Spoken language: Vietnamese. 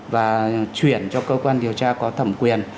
và chuyển cho cơ quan điều tra có thẩm quyền